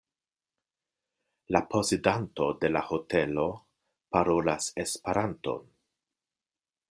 La posedanto de la hotelo parolas Esperanton.